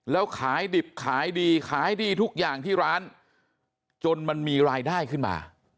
แล้วขายดิบขายดีขายดีทุกอย่างที่ร้านจนมันมีรายได้ขึ้นมา